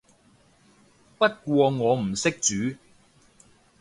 不過我唔識煮